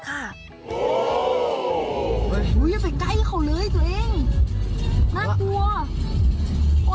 อย่าไปใกล้เขาเลยตัวเองน่ากลัว